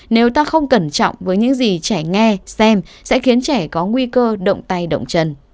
nếu ta không cẩn trọng với những gì trẻ nghe xem sẽ khiến trẻ có nguy cơ động tay động chân